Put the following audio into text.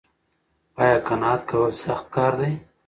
ایا قناعت کول سخت کار دی؟